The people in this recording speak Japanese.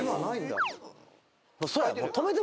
そうや。